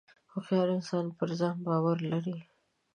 • هوښیار انسان پر ځان باور لري.